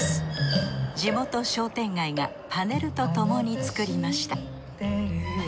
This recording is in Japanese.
地元商店街がパネルとともに作りました。